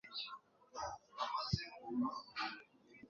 Mi Vicio Mas Grande